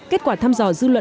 kết quả thăm dò dư luận mới